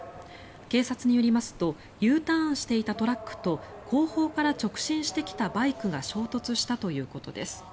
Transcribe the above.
警察によりますとＵターンしていたトラックと後方から直進してきたバイクが衝突したということです。